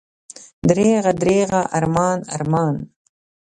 دریغه، دریغه، ارمان، ارمان!